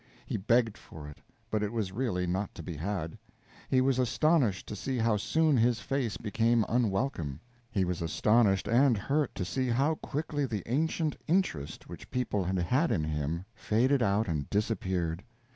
He begged for it, but it was really not to be had. He was astonished to see how soon his face became unwelcome; he was astonished and hurt to see how quickly the ancient interest which people had had in him faded out and disappeared.